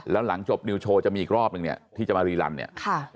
แล้วหลังจบนิวโชว์จะมีอีกรอบนึงเนี่ยที่จะมารีลันเนี่ยค่ะ